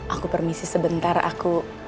aku permisi sebentar aku